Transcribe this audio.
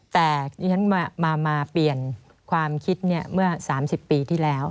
แต่ที่ฉันมาเปลี่ยนความคิดเมื่อ๓๐ปีที่แล้ว